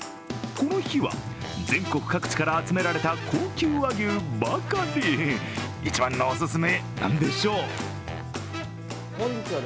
この日は、全国各地から集められた高級和牛ばかり一番のお勧め、何でしょう。